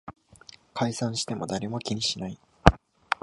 解散しても誰も気にしない